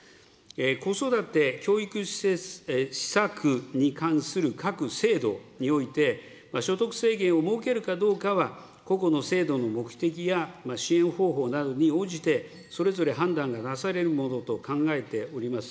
子育て教育施策に関する各制度において、所得制限を設けるかどうかは個々の制度の目的や支援方法などに応じてそれぞれ判断がなされるものと考えております。